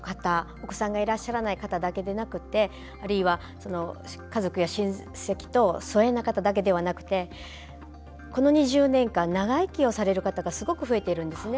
お子さんがいらっしゃらない方だけじゃなくてあるいは、家族、親戚と疎遠な方だけではなくてこの２０年間長生きをされる方がものすごい増えているんですね。